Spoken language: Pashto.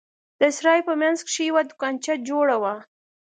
د سراى په منځ کښې يوه دوکانچه جوړه وه.